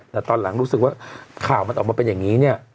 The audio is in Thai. แต่ตอนหลังรู้สึกว่าข่าวมันออกมาเป็นอย่างนี้เนี่ย